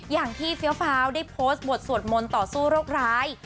เฟี้ยวฟ้าวได้โพสต์บทสวดมนต์ต่อสู้โรคร้าย